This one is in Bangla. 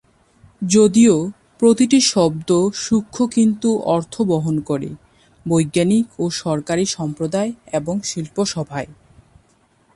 যদিও, প্রতিটি শব্দ সূক্ষ কিন্তু ভিন্ন অর্থ বহন করে, বৈজ্ঞানিক ও সরকারি সম্প্রদায় এবং শিল্পসভায়।